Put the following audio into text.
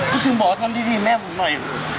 ก็ถึงบอกว่าต้องดีแม่ผมหน่อย